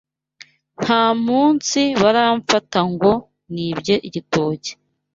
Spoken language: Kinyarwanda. nta munsi baramfata ngo nibye igitoki